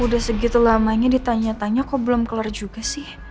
udah segitu lamanya ditanya tanya kok belum keluar juga sih